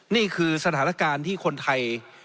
นี่คือสถานการณ์ที่คนไทย